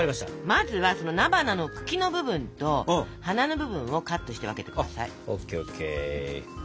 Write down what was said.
まずは菜花の茎の部分と花の部分をカットして分けて下さい。